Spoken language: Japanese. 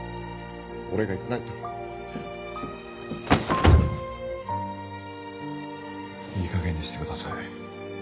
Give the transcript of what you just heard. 俺が行かないといいかげんにしてください